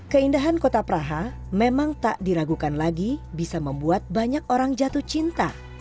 keindahan kota praha memang tak diragukan lagi bisa membuat banyak orang jatuh cinta